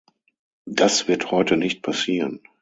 Das wird heute nicht passieren!